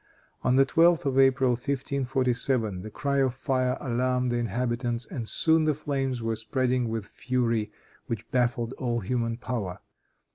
On the 12th of April, 1547, the cry of fire alarmed the inhabitants, and soon the flames were spreading with fury which baffled all human power.